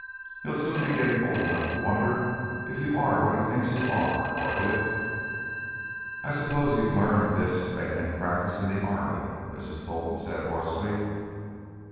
He'll soon be getting old enough to wonder if you are what he thinks you are or if " "I suppose you learned this bayonet practice in the army," Mrs. Fulton said, hoarsely.